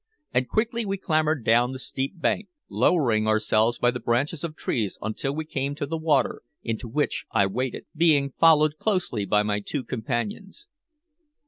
And quickly we clambered down the steep bank, lowering ourselves by the branches of the trees until we came to the water into which I waded, being followed closely by my two companions.